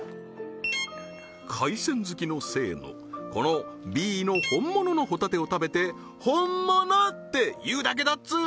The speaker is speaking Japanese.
海鮮好きの清野このＢの本物のホタテを食べて本物って言うだけだっつーの